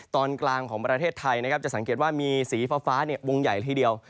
ตอนกลางที่ประเทศไทยสังเกตว่ามีสีฟ้าวงใหญ่ทีเดียว